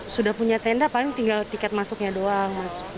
sudah punya tenda paling tinggal tiket masuknya doang